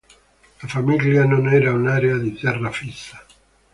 La “famiglia” non era un'area di terra fissa.